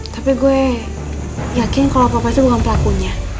tapi gue yakin kalau papa itu bukan pelakunya